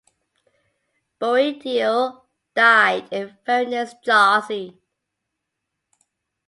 Boieldieu died in Varennes-Jarcy.